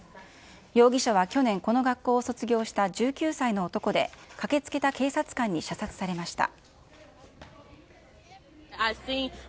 容疑者は去年、この学校を卒業した１９歳の男で、駆けつけた警察官に射殺されました。